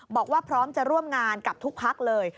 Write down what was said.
บอกว่าพร้อมจะร่วมงานกับทุกพักเลย